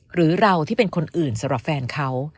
หรือเราที่เป็นคนอื่นสำหรับแฟนเขา